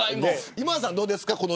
今田さんはどうですか。